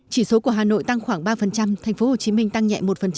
chỉ số của hà nội tăng khoảng ba tp hcm tăng nhẹ một